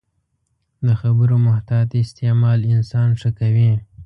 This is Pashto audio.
د خبرو محتاط استعمال انسان ښه کوي